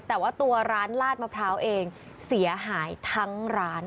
แต่ว่าตัวร้านลาดมะพร้าวเองเสียหายทั้งร้าน